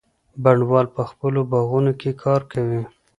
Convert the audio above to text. بڼوال په خپلو باغونو کي کار کوي.